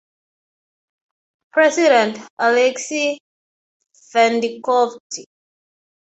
President - Alexei Venediktov.